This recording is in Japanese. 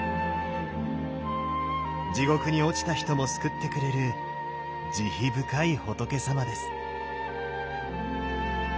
地獄に落ちた人も救ってくれる慈悲深い仏様です。